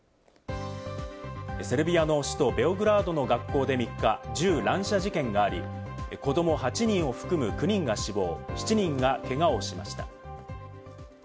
セルビアの首都ベオグラードの学校で３日、銃乱射事件があり、子供８人を含む９人が死亡、７人がけがをしました。